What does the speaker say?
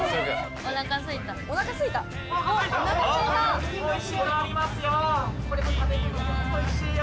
おいしいよ